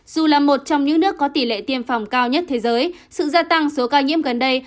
dù là một trong những nước có tỷ lệ tiêm phòng cao nhất thế giới sự gia tăng số ca nhiễm gần đây